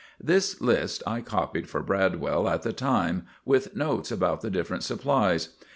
This list I copied for Bradwell at the time, with notes about the different supplies.